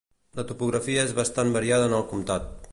La topografia és bastant variada en el comtat.